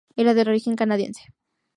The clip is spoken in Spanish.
Era de origen canadiense.